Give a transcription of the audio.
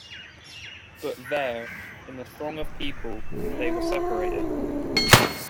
But there, in the throng of people, they were separated.